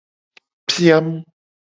Piam.